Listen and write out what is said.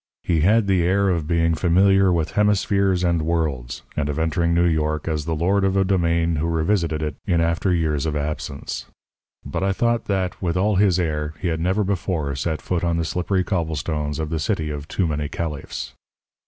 He had the air of being familiar with hemispheres and worlds, and of entering New York as the lord of a demesne who revisited it in after years of absence. But I thought that, with all his air, he had never before set foot on the slippery cobblestones of the City of Too Many Caliphs.